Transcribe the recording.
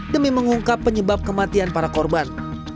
demi mengungkap penyebab kematian para korban